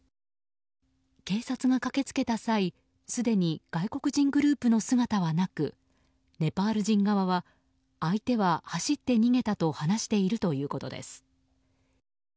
警察が駆けつけた際すでに外国人グループの姿はなくネパール人側は相手は走って逃げたと話しているということです。